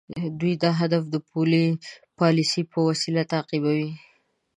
دوی دا هدف د پولي پالیسۍ په وسیله تعقیبوي.